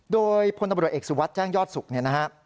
โดยพลตำรวจเอกสุวัสดิ์แจ้งยอดสุขเนี่ยนะฮะ